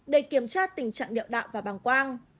để kiểm tra tình trạng niệm đạo và bảng quang